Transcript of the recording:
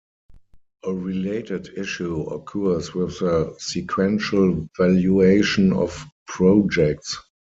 A related issue occurs with the sequential valuation of projects.